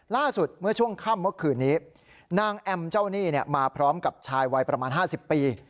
ล่าสุดเมื่อช่วงค่ำเมื่อคืนนี้นางแอมเจ้าหนี้มาพร้อมกับชายวัยประมาณ๕๐ปี